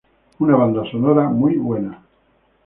Una banda sonora muy buena.